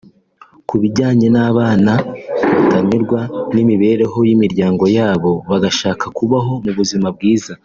Ku bijyanye n’abana batanyurwa n’imibereho y’imiryango yabo bagashaka kubaho mu buzima bwiza